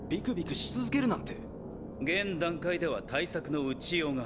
現段階では対策の打ちようが。